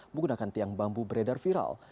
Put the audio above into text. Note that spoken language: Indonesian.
menggunakan tiang bambu beredar viral